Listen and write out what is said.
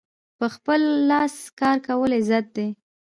په خپل لاس کار کول عزت دی.